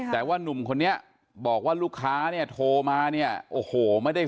แต่ว่านุ่มคนนี้บอกว่ารูขาโทรมาโอ้โหไม่ได้สั่งอาหารเลย